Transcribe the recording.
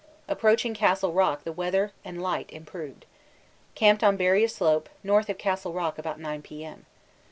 Approaching Castle Rock the weather and light improved. Camped on Barrier Slope north of Castle Rock about 9 P.M.